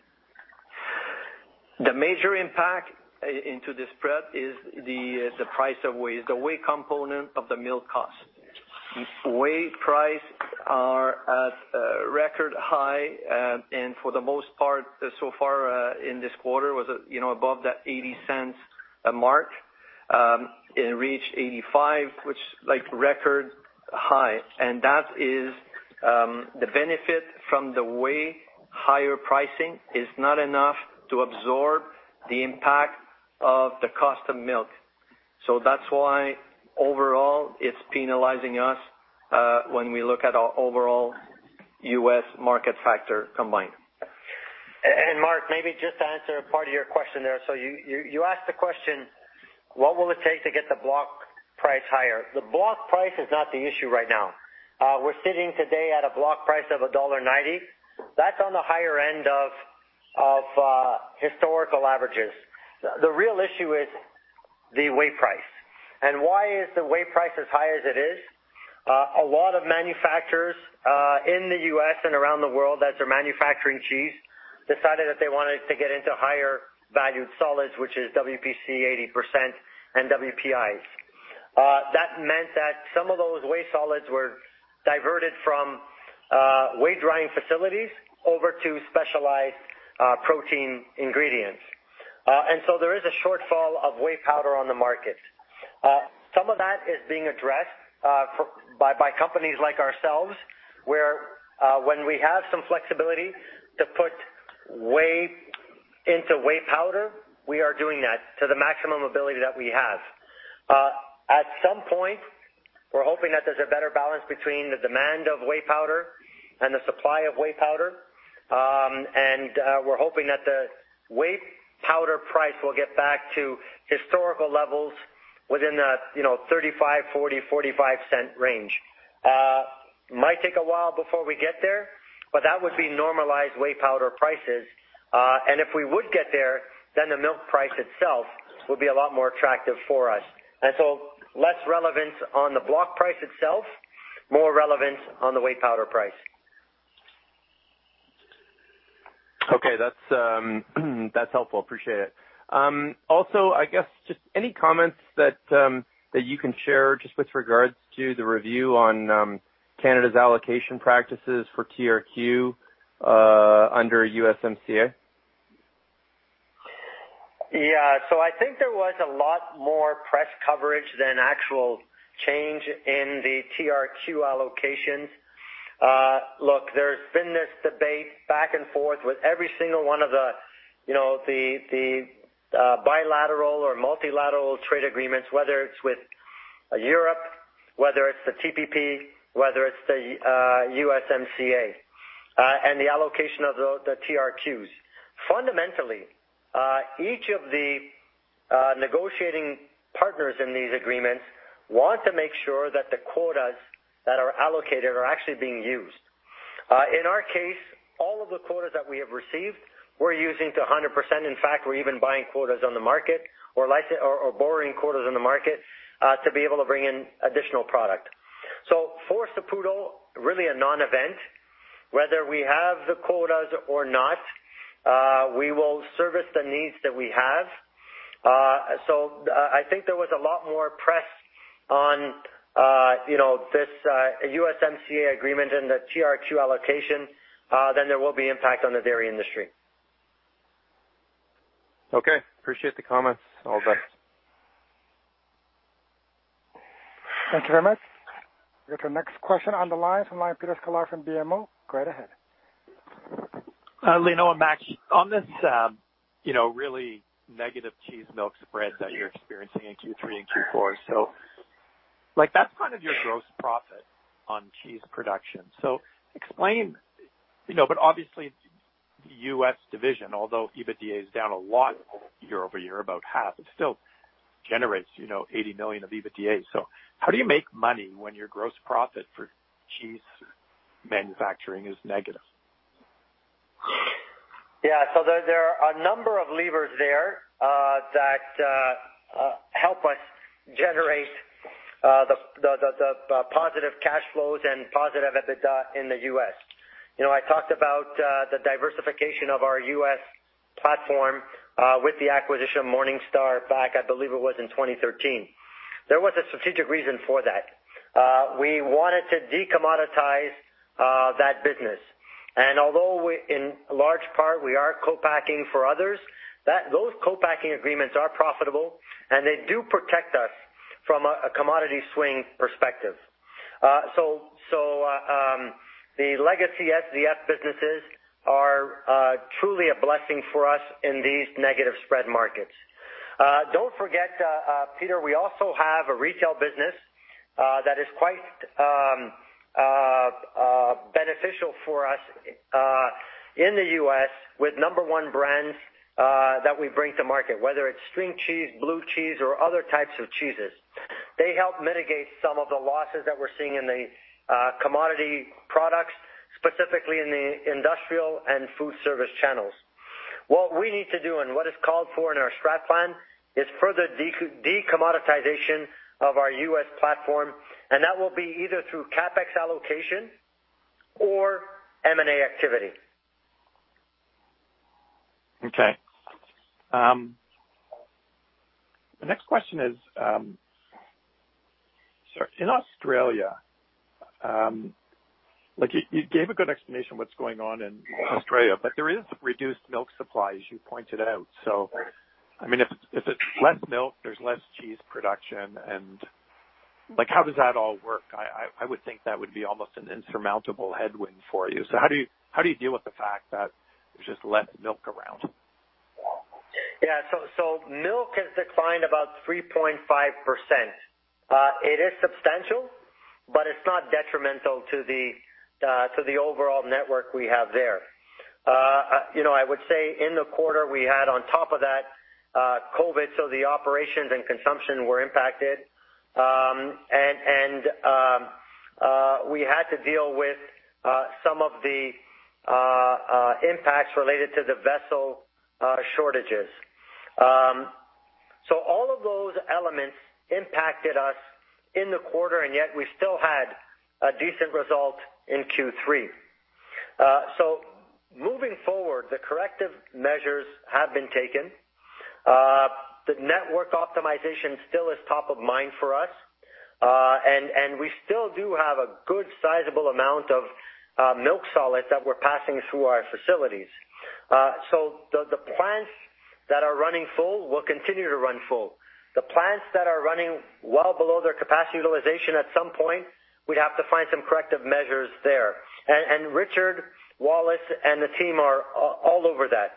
The major impact into this spread is the price of whey, the whey component of the milk cost. Whey prices are at record high, and for the most part, so far in this quarter was above that 0.80 mark, it reached 0.85, which like record high. That is the benefit from the whey higher pricing is not enough to absorb the impact of the cost of milk. That's why overall it's penalizing us when we look at our overall U.S. market factor combined. Mark, maybe just to answer part of your question there. You asked the question, what will it take to get the block price higher? The block price is not the issue right now. We're sitting today at a block price of dollar 1.90. That's on the higher end of historical averages. The real issue is the whey price. Why is the whey price as high as it is? A lot of manufacturers in the U.S. and around the world that are manufacturing cheese decided that they wanted to get into higher valued solids, which is WPC 80% and WPIs. That meant that some of those whey solids were diverted from whey drying facilities over to specialized protein ingredients. There is a shortfall of whey powder on the market. Some of that is being addressed by companies like ourselves, where when we have some flexibility to put whey into whey powder, we are doing that to the maximum ability that we have. At some point, we're hoping that there's a better balance between the demand of whey powder and the supply of whey powder. We're hoping that the whey powder price will get back to historical levels within the 0.35-0.45 range. Might take a while before we get there, but that would be normalized whey powder prices. If we would get there, then the milk price itself will be a lot more attractive for us. Less relevance on the block price itself, more relevance on the whey powder price. Okay. That's helpful. Appreciate it. Also, I guess just any comments that you can share just with regards to the review on Canada's allocation practices for TRQ under USMCA. Yeah. I think there was a lot more press coverage than actual change in the TRQ allocations. Look, there's been this debate back and forth with every single one of the bilateral or multilateral trade agreements, whether it's with Europe, whether it's the TPP, whether it's the USMCA, and the allocation of the TRQs. Fundamentally, each of the negotiating partners in these agreements want to make sure that the quotas that are allocated are actually being used. In our case, all of the quotas that we have received, we're using to 100%. In fact, we're even buying quotas on the market or borrowing quotas on the market to be able to bring in additional product. For Saputo, really a non-event. Whether we have the quotas or not, we will service the needs that we have. I think there was a lot more press on, you know, this USMCA agreement and the TRQ allocation, than there will be impact on the dairy industry. Okay. Appreciate the comments. All the best. Thank you very much. We have the next question on the line from Peter Sklar from BMO Capital Markets. Go right ahead. Lino and Max, on this really negative cheese milk spread that you're experiencing in Q3 and Q4, like, that's kind of your gross profit on cheese production. Explain. Obviously the U.S. division, although EBITDA is down a lot year-over-year, about half, it still generates, 80 million of EBITDA. How do you make money when your gross profit for cheese manufacturing is negative? There are a number of levers there that help us generate the positive cash flows and positive EBITDA in the U.S. I talked about the diversification of our U.S. platform with the acquisition of Morningstar back, I believe it was in 2013. There was a strategic reason for that. We wanted to decommoditize that business. Although in large part we are co-packing for others, those co-packing agreements are profitable, and they do protect us from a commodity swing perspective. The legacy SVF businesses are truly a blessing for us in these negative spread markets. Don't forget, Peter, we also have a retail business that is quite beneficial for us in the U.S. with number one brands that we bring to market, whether it's string cheese, blue cheese, or other types of cheeses. They help mitigate some of the losses that we're seeing in the commodity products, specifically in the industrial and food service channels. What we need to do and what is called for in our strategic plan is further decommoditization of our U.S. platform, and that will be either through CapEx allocation or M&A activity. Okay. The next question is, so in Australia, like you gave a good explanation what's going on in Australia, but there is reduced milk supply, as you pointed out. I mean, if it's less milk, there's less cheese production and like, how does that all work? I would think that would be almost an insurmountable headwind for you. How do you deal with the fact that there's just less milk around? Milk has declined about 3.5%. It is substantial, but it's not detrimental to the overall network we have there. I would say in the quarter, we had on top of that, COVID, so the operations and consumption were impacted. We had to deal with some of the impacts related to the vessel shortages. All of those elements impacted us in the quarter, and yet we still had a decent result in Q3. Moving forward, the corrective measures have been taken. The network optimization still is top of mind for us, and we still do have a good sizable amount of milk solids that we're passing through our facilities. The plants that are running full will continue to run full. The plants that are running well below their capacity utilization, at some point, we'd have to find some corrective measures there. Richard Wallace and the team are all over that.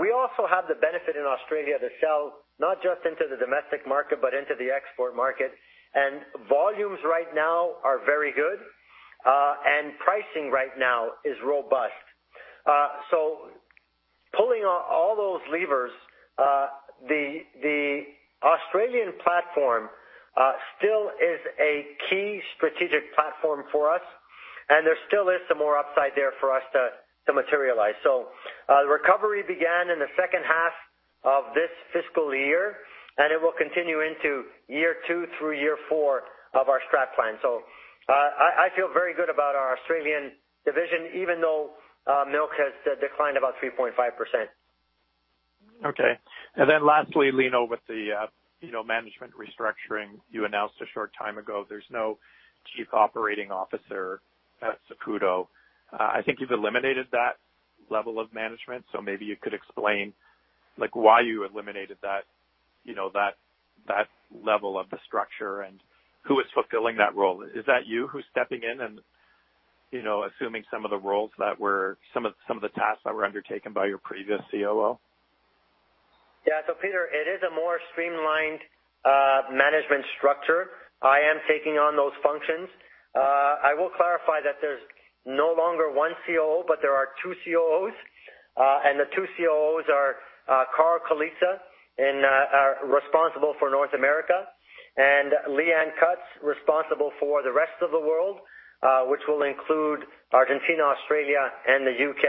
We also have the benefit in Australia to sell not just into the domestic market, but into the export market. Volumes right now are very good, and pricing right now is robust. Pulling on all those levers, the Australian platform still is a key strategic platform for us, and there still is some more upside there for us to materialize. The recovery began in the second half of this fiscal year, and it will continue into year two through year four of our strat plan. I feel very good about our Australian Division, even though milk has declined about 3.5%. Okay. Lastly, Lino, with the management restructuring you announced a short time ago, there's no Chief Operating Officer at Saputo. I think you've eliminated that level of management, so maybe you could explain, like, why you eliminated that level of the structure and who is fulfilling that role. Is that you who's stepping in, and assuming some of the roles that were some of the tasks that were undertaken by your previous COO? Yeah. Peter, it is a more streamlined management structure. I am taking on those functions. I will clarify that there's no longer one COO, but there are two COOs. The two COOs are Carl Colizza responsible for North America, and Leanne Cutts responsible for the rest of the world, which will include Argentina, Australia, and the U.K.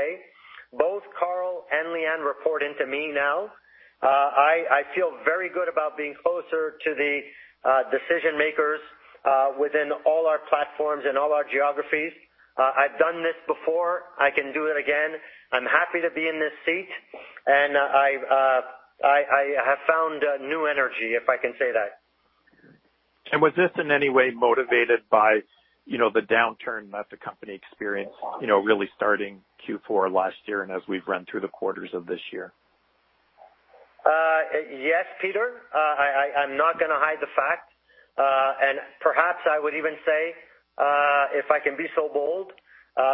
Both Carl and Leanne report into me now. I feel very good about being closer to the decision makers within all our platforms and all our geographies. I've done this before. I can do it again. I'm happy to be in this seat and I have found new energy, if I can say that. Was this in any way motivated by the downturn that the company experienced really starting Q4 last year and as we've run through the quarters of this year? Yes, Peter. I'm not gonna hide the fact. Perhaps I would even say, if I can be so bold,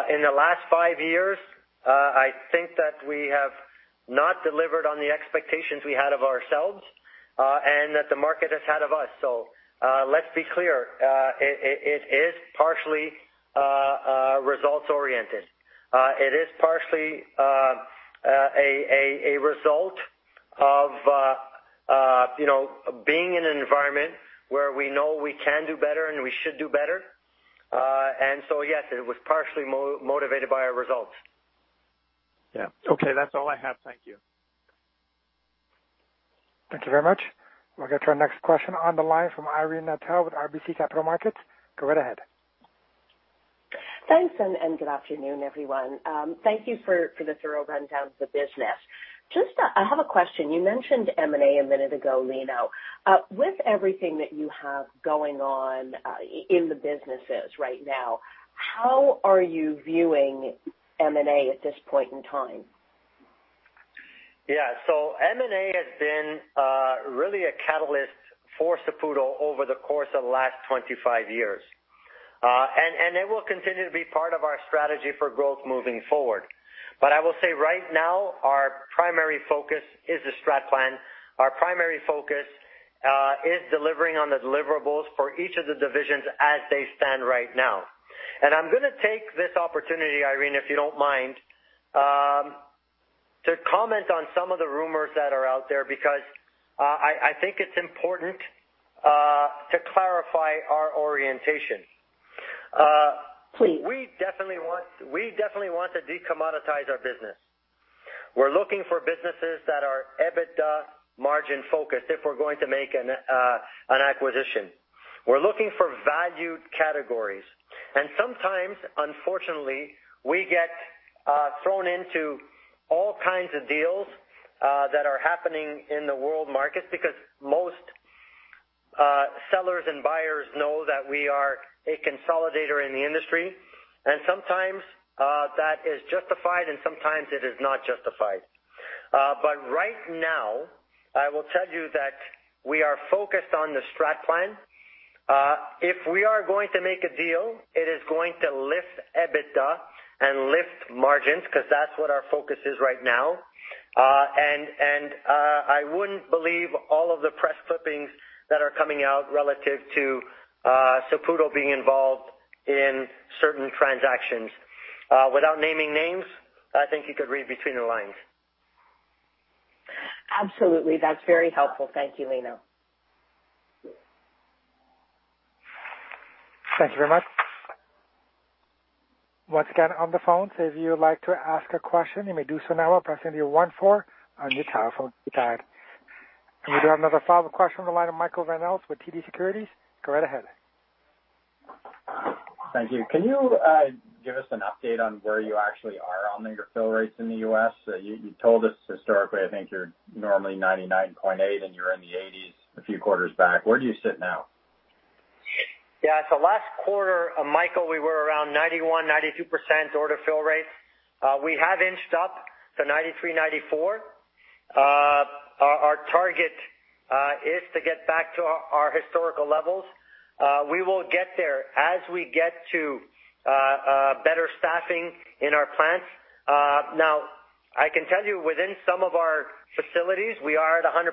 in the last five years, I think that we have not delivered on the expectations we had of ourselves, and that the market has had of us. Let's be clear. It is partially results oriented. It is partially a result of being in an environment where we know we can do better and we should do better. Yes, it was partially motivated by our results. Yeah. Okay, that's all I have. Thank you. Thank you very much. We'll get to our next question on the line from Irene Nattel with RBC Capital Markets. Go right ahead. Thanks and good afternoon, everyone. Thank you for the thorough rundown of the business. Just, I have a question. You mentioned M&A a minute ago, Lino. With everything that you have going on, in the businesses right now, how are you viewing M&A at this point in time? Yeah. M&A has been really a catalyst for Saputo over the course of the last 25 years. It will continue to be part of our strategy for growth moving forward. I will say right now, our primary focus is the strat plan. Our primary focus is delivering on the deliverables for each of the divisions as they stand right now. I'm gonna take this opportunity, Irene, if you don't mind, to comment on some of the rumors that are out there because I think it's important to clarify our orientation. We definitely want to decommoditize our business. We're looking for businesses that are EBITDA margin focused if we're going to make an acquisition. We're looking for valued categories. Sometimes, unfortunately, we get thrown into all kinds of deals that are happening in the world markets because most sellers and buyers know that we are a consolidator in the industry, and sometimes that is justified and sometimes it is not justified. Right now, I will tell you that we are focused on the strat plan. If we are going to make a deal, it is going to lift EBITDA and lift margins 'cause that's what our focus is right now. I wouldn't believe all of the press clippings that are coming out relative to Saputo being involved in certain transactions. Without naming names, I think you could read between the lines. Absolutely. That's very helpful. Thank you, Lino. Thank you very much. Once again, on the phone, so if you would like to ask a question, you may do so now by pressing the one then four on your telephone keypad. We do have another follow-up question on the line of Michael Van Aelst with TD Securities. Go right ahead. Thank you. Can you give us an update on where you actually are on your fill rates in the U.S.? You told us historically, I think you're normally 99.8% and you're in the 80s% a few quarters back. Where do you sit now? Yeah. Last quarter, Michael, we were around 91%-92% order fill rates. We have inched up to 93%-94%. Our target is to get back to our historical levels. We will get there as we get to better staffing in our plants. Now, I can tell you within some of our facilities, we are at 100%.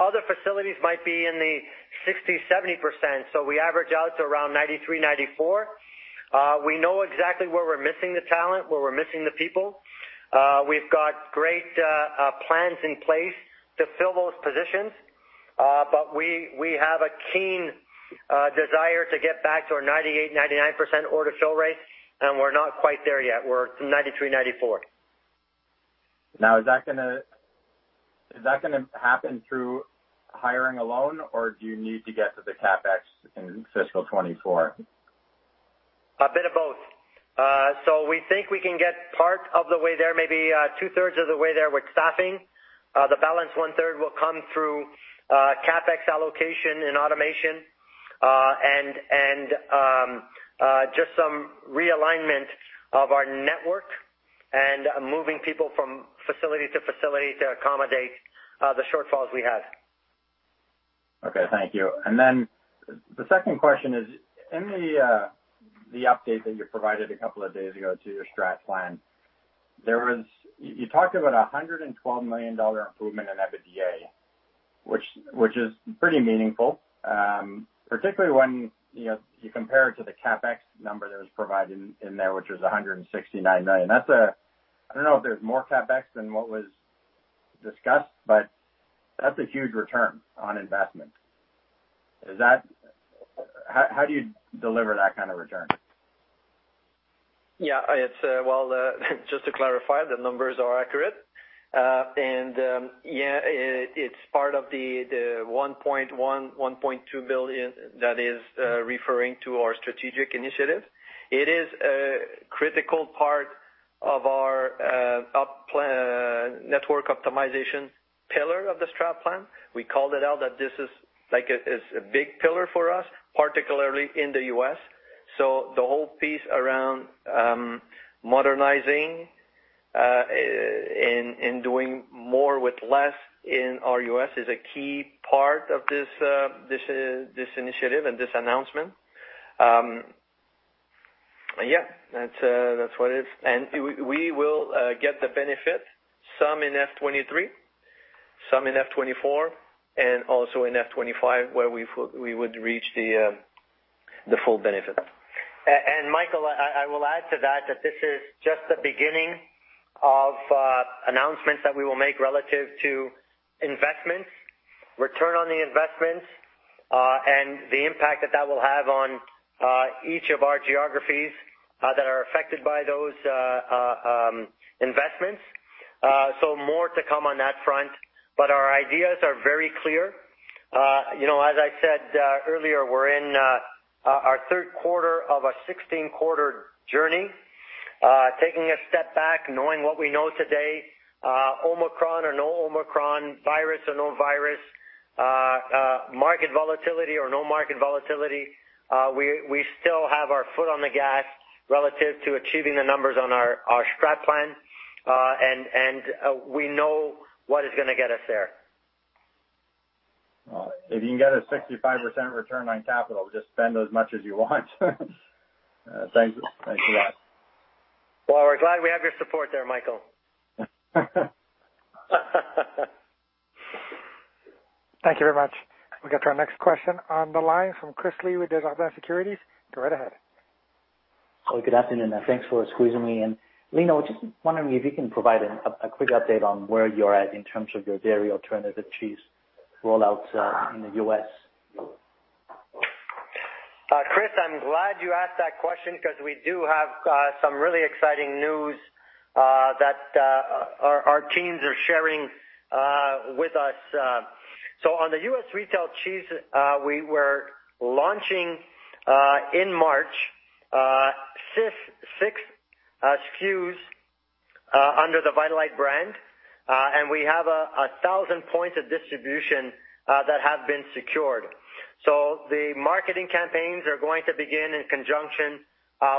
Other facilities might be in the 60%-70%, so we average out to around 93%-94%. We know exactly where we're missing the talent, where we're missing the people. We've got great plans in place to fill those positions. We have a keen desire to get back to our 98%-99% order fill rates, and we're not quite there yet. We're 93%-94%. Now, is that gonna happen through hiring alone, or do you need to get to the CapEx in fiscal 2024? A bit of both. We think we can get part of the way there, maybe 2/3 of the way there with staffing. The balance 1/3 will come through CapEx allocation and automation, and just some realignment of our network and moving people from facility to facility to accommodate the shortfalls we have. Okay, thank you. The second question is, in the update that you provided a couple of days ago to your strategic plan, you talked about a 112 million dollar improvement in EBITDA, which is pretty meaningful, particularly when, you know, you compare it to the CapEx number that was provided in there, which was 169 million. I don't know if there's more CapEx than what was discussed, but that's a huge return on investment. How do you deliver that kind of return? Yeah. It's well, just to clarify, the numbers are accurate. Yeah, it's part of the 1.1-1.2 billion that is referring to our strategic initiatives. It is a critical part of our network optimization pillar of the strategic plan. We called it out that this is like a, it's a big pillar for us, particularly in the U.S. The whole piece around modernizing and doing more with less in our U.S. is a key part of this initiative and this announcement. Yeah, that's what it is. We will get the benefit, some in FY 2023, some in FY 2024, and also in FY 2025, where we would reach the full benefit. Michael, I will add to that this is just the beginning of announcements that we will make relative to investments, return on the investments, and the impact that that will have on each of our geographies that are affected by those investments. More to come on that front, but our ideas are very clear. I said earlier, we're in our third quarter of a 16-quarter journey. Taking a step back, knowing what we know today, Omicron or no Omicron, virus or no virus, market volatility or no market volatility, we still have our foot on the gas relative to achieving the numbers on our strat plan. We know what is gonna get us there. Well, if you can get a 65% return on capital, just spend as much as you want. Thanks. Thanks a lot. Well, we're glad we have your support there, Michael. Thank you very much. We'll get to our next question on the line from Chris Li with Desjardins Securities. Go right ahead. Good afternoon, and thanks for squeezing me in. Lino, just wondering if you can provide a quick update on where you're at in terms of your dairy alternative cheese rollouts in the U.S. Chris, I'm glad you asked that question 'cause we do have some really exciting news that our teams are sharing with us. On the U.S. retail cheese, we were launching in March, six SKUs under the Vitalite brand, and we have 1,000 points of distribution that have been secured. The marketing campaigns are going to begin in conjunction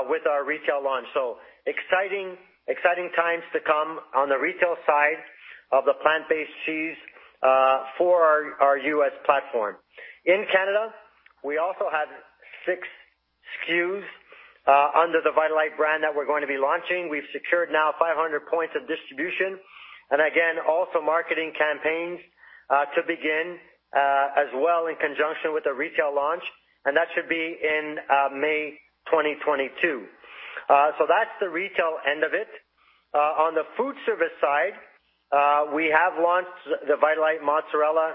with our retail launch. Exciting times to come on the retail side of the plant-based cheese for our U.S. platform. In Canada, we also have six SKUs under the Vitalite brand that we're going to be launching. We've secured now 500 points of distribution and again, also marketing campaigns to begin as well in conjunction with the retail launch, and that should be in May 2022. So that's the retail end of it. On the food service side, we have launched the Vitalite Mozzarella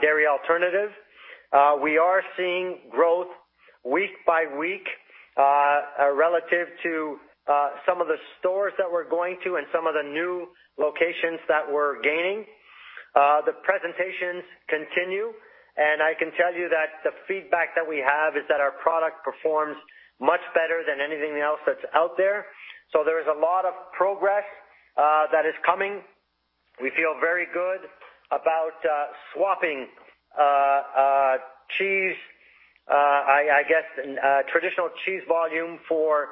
dairy alternative. We are seeing growth week by week relative to some of the stores that we're going to and some of the new locations that we're gaining, the presentations continue. I can tell you that the feedback that we have is that our product performs much better than anything else that's out there. So there is a lot of progress that is coming. We feel very good about swapping cheese, I guess, traditional cheese volume for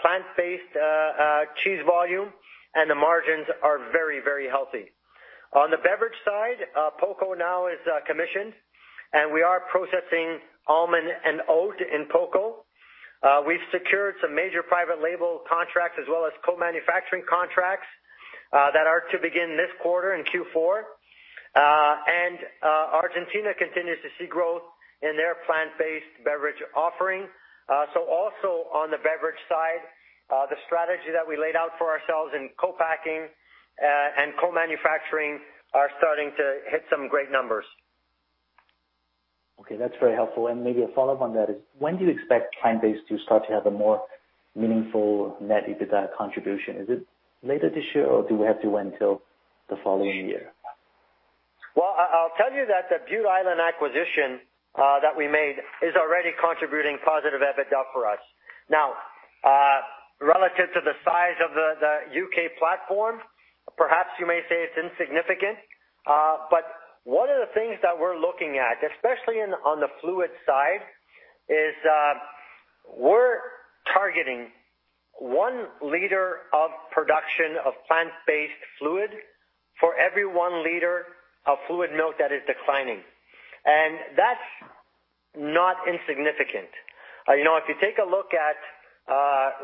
plant-based cheese volume, and the margins are very, very healthy. On the beverage side, Poco now is commissioned, and we are processing almond and oat in Poco. We've secured some major private label contracts as well as co-manufacturing contracts that are to begin this quarter in Q4. Argentina continues to see growth in their plant-based beverage offering. Also on the beverage side, the strategy that we laid out for ourselves in co-packing and co-manufacturing are starting to hit some great numbers. Okay, that's very helpful. Maybe a follow-up on that is, when do you expect plant-based to start to have a more meaningful net EBITDA contribution? Is it later this year, or do we have to wait until the following year? Well, I'll tell you that the Bute Island acquisition that we made is already contributing positive EBITDA for us. Now, relative to the size of the U.K. platform, perhaps you may say it's insignificant. One of the things that we're looking at, especially on the fluid side, is we're targeting one liter of production of plant-based fluid for every one liter of fluid milk that is declining. That's not insignificant. If you take a look at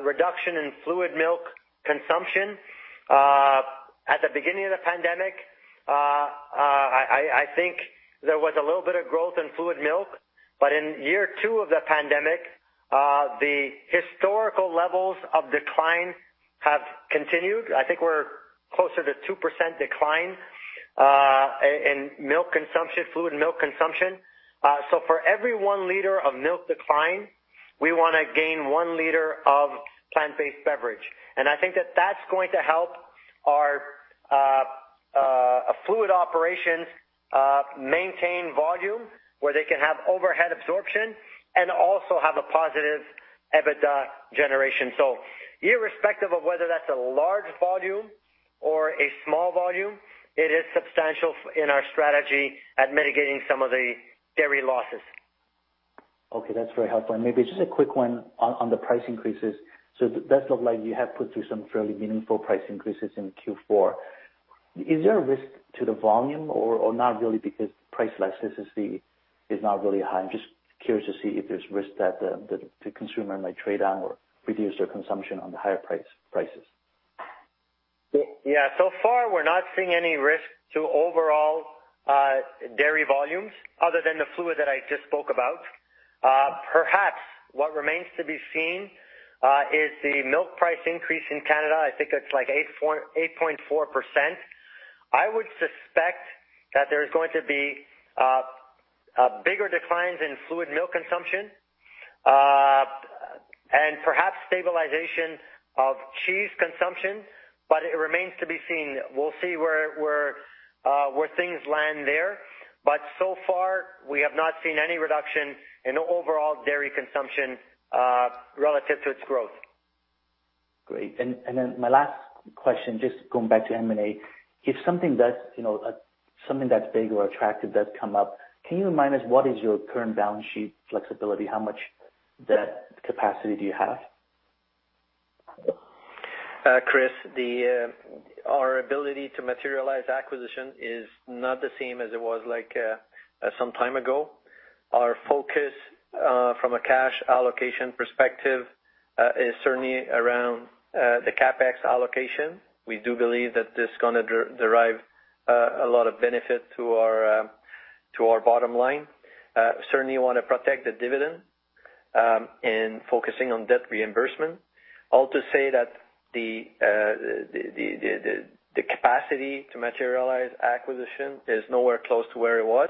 reduction in fluid milk consumption, at the beginning of the pandemic, I think there was a little bit of growth in fluid milk. In year two of the pandemic, the historical levels of decline have continued. I think we're closer to 2% decline in milk consumption, fluid milk consumption. For every one liter of milk decline, we wanna gain one liter of plant-based beverage. I think that that's going to help our fluid operations maintain volume, where they can have overhead absorption and also have a positive EBITDA generation. Irrespective of whether that's a large volume or a small volume, it is substantial in our strategy at mitigating some of the dairy losses. Okay, that's very helpful. Maybe just a quick one on the price increases. It does look like you have put through some fairly meaningful price increases in Q4. Is there a risk to the volume or not really because price elasticity is not really high? I'm just curious to see if there's risk that the consumer might trade down or reduce their consumption on the higher prices. Yeah. So far we're not seeing any risk to overall dairy volumes other than the fluid that I just spoke about. Perhaps what remains to be seen is the milk price increase in Canada. I think it's like 8.4%. I would suspect that there is going to be bigger declines in fluid milk consumption and perhaps stabilization of cheese consumption, but it remains to be seen. We'll see where things land there. So far, we have not seen any reduction in overall dairy consumption relative to its growth. Great. My last question, just going back to M&A. If something that's big or attractive does come up, can you remind us what is your current balance sheet flexibility? How much debt capacity do you have? Chris, our ability to materialize acquisition is not the same as it was like some time ago. Our focus from a cash allocation perspective is certainly around the CapEx allocation. We do believe that this is gonna deliver a lot of benefit to our bottom line. Certainly wanna protect the dividend and focusing on debt reimbursement. All to say that the capacity to materialize acquisition is nowhere close to where it was.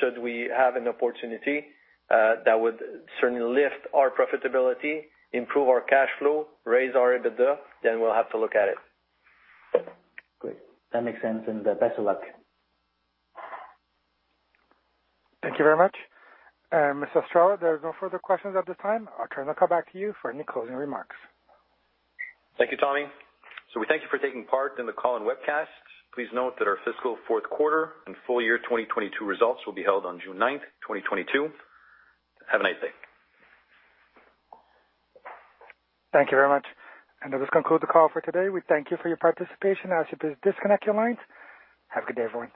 Should we have an opportunity that would certainly lift our profitability, improve our cash flow, raise our EBITDA, then we'll have to look at it. Great. That makes sense. Best of luck. Thank you very much. Mr. Estrela, there are no further questions at this time. I'll turn the call back to you for any closing remarks. Thank you, Tommy. We thank you for taking part in the call and webcast. Please note that our fiscal fourth quarter and full year 2022 results will be held on June 9th, 2022. Have a nice day. Thank you very much. This concludes the call for today. We thank you for your participation. Now, as you please, disconnect your lines. Have a good day, everyone.